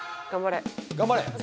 頑張れ。